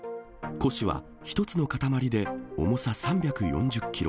古紙は、１つの塊で重さ３４０キロ。